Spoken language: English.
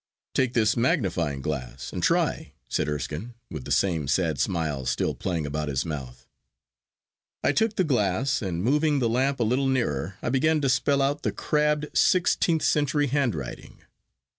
'Take this magnifying glass and try,' said Erskine, with the same sad smile still playing about his mouth. I took the glass, and moving the lamp a little nearer, I began to spell out the crabbed sixteenth century handwriting.